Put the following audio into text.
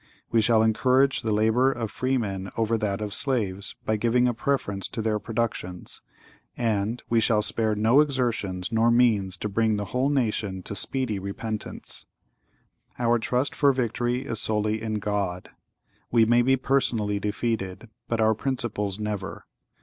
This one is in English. (¶ 40) We shall encourage the labor of freemen over that of slaves, by giving a preference to their productions;—and (¶ 41) We shall spare no exertions nor means to bring the whole nation to speedy repentance. (¶ 42) Our trust for victory is solely in God. We may be personally defeated, but our principles never.